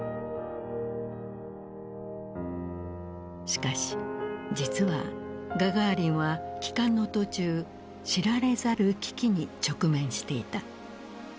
しかし実はガガーリンは帰還の途中知られざる危機に直面していた。